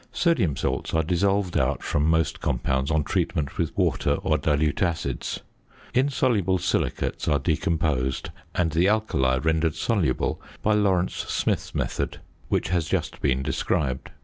Sodium salts are dissolved out from most compounds on treatment with water or dilute acids. Insoluble silicates are decomposed and the alkali rendered soluble by Lawrence Smith's method, which has just been described.